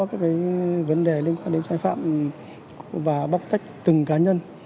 các vấn đề liên quan đến sai phạm và bóc tách từng cá nhân